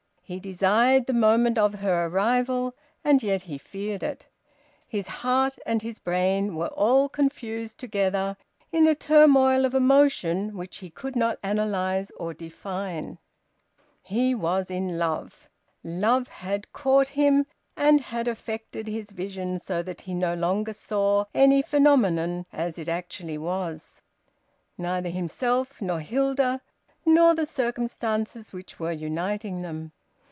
He desired the moment of her arrival, and yet he feared it. His heart and his brain were all confused together in a turmoil of emotion which he could not analyse nor define. He was in love. Love had caught him, and had affected his vision so that he no longer saw any phenomenon as it actually was; neither himself, nor Hilda, nor the circumstances which were uniting them.